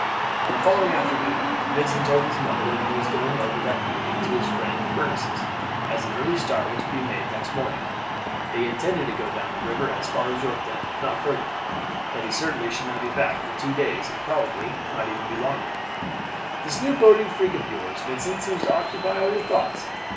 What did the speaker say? On the following afternoon Vincent told his mother that he was going over that evening to his friend Furniss, as an early start was to be made next morning; they intended to go down the river as far as Yorktown, if not further; that he certainly should not be back for two days, and probably might be even longer. "This new boating freak of yours, Vincent, seems to occupy all your thoughts.